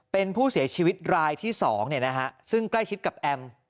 เป็นผู้เสียชีวิตรายที่๒ซึ่งใกล้ชิดกับแอม